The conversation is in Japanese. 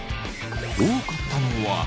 多かったのは。